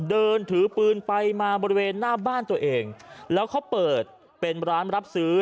เดินถือปืนไปมาบริเวณหน้าบ้านตัวเองแล้วเขาเปิดเป็นร้านรับซื้อ